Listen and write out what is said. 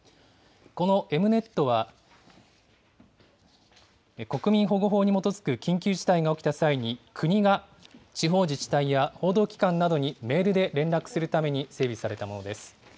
このＥｍ−Ｎｅｔは国民保護法に基づく緊急事態が起きた際に、国が地方自治体や報道機関などにメールで連絡するために整備されたものです。